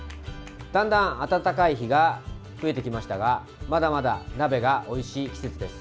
だんだん暖かい日が増えてきましたがまだまだ鍋がおいしい季節です。